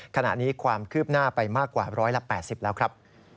ขณะนี้ความคืบหน้าไปมากกว่า๑๘๐แล้วครับ